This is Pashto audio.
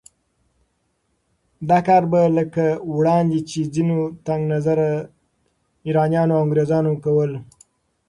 دا کار به لکه وړاندې چې ځينو تنګ نظره ایرانیانو او انګریزانو کول